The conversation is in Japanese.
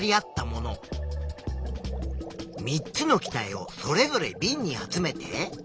３つの気体をそれぞれビンに集めて。